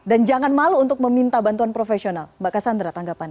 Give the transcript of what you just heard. dan jangan malu untuk meminta bantuan profesional mbak cassandra tanggapannya